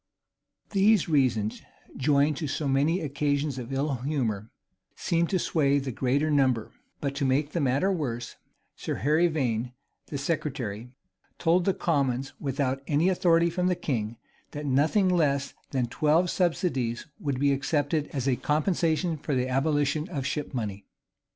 These reasons, joined to so many occasions of ill humor, seemed to sway with the greater number: but, to make the matter worse, Sir Harry Vane, the secretary, told the commons, without any authority from the king, that nothing less than twelve subsidies would be accepted as a compensation for the abolition of ship money.